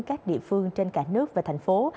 các địa phương trên cả nước và thành phố